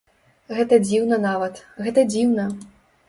Гэта дзіўна нават, гэта дзіўна.